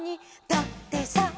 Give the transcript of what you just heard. だってさ」